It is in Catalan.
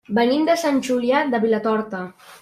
Venim de Sant Julià de Vilatorta.